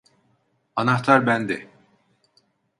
Anahtar bende.